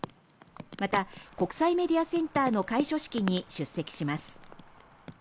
また、国際メディアセンターの開所式に出席します。